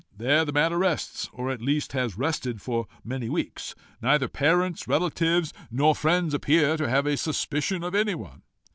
There the matter rests, or at least has rested for many weeks. Neither parents, relatives, nor friends appear to have a suspicion of anyone."